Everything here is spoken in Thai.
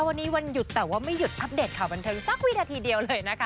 วันนี้วันหยุดแต่ว่าไม่หยุดอัปเดตข่าวบันเทิงสักวินาทีเดียวเลยนะคะ